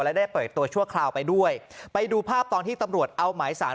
และได้เปิดตัวชั่วคราวไปด้วยไปดูภาพตอนที่ตำรวจเอาหมายสาร